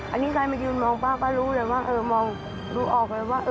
อันนี้ใครมายืนมองป้าก็รู้เลยว่า